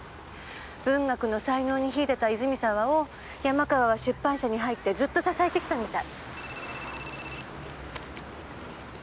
文学の才能に秀でた泉沢を山川は出版社に入ってずっと支えてきたみたい。